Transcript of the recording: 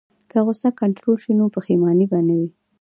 که غوسه کنټرول شي، نو پښیماني به نه وي.